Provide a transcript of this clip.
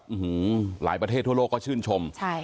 หลายประเทศทั่วโลกก็ชื่นชม